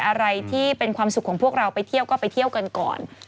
อะไรที่เป็นความสุขของพวกเราไปเที่ยวก็ไปเที่ยวกันก่อน